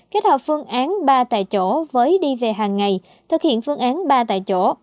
kết hợp phương án ba tại chỗ với đi về hàng ngày thực hiện phương án ba tại chỗ